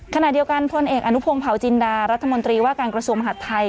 ขณะเดียวกันพลเอกอนุพงศ์เผาจินดารัฐมนตรีว่าการกระทรวงมหาดไทย